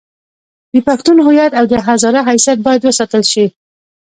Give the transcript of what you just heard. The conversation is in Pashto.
د پښتون هویت او د هزاره حیثیت باید وساتل شي.